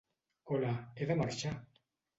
Hola, he de marxar!